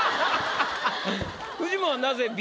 フジモンはなぜＢ？